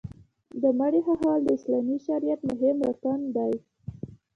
د مړي ښخول د اسلامي شریعت مهم رکن دی.